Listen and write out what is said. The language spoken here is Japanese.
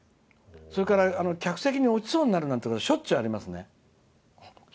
それから客席に落ちそうになるなんてしょっちゅうありますね。